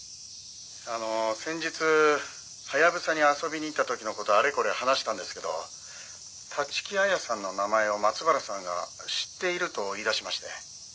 「先日ハヤブサに遊びに行った時の事をあれこれ話したんですけど立木彩さんの名前を松原さんが知っていると言いだしまして」